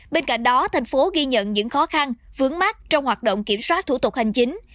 bên cạnh đó tp hcm ghi nhận những khó khăn vướng mát trong hoạt động kiểm soát thủ tục hành chính